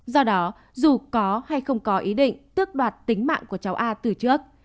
do đó dù có hay không có ý định tước đoạt tính mạng của cháu a từ trước